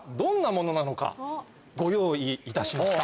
ご用意いたしました。